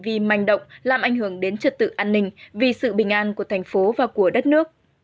vi manh động làm ảnh hưởng đến trật tự an ninh vì sự bình an của thành phố và của đất nước